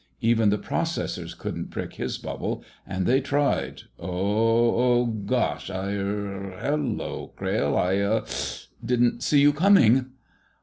Even the processors couldn't prick his bubble, and they tried—oh oh! G gosh! I—er—hello, Crayle! I—uh—didn't see you coming."